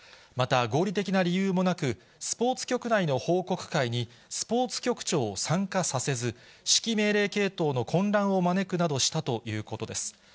また、合理的な理由もなく、スポーツ局内の報告会に、スポーツ局長を参加させず、指揮命令系統の混乱を招くなどしたということです。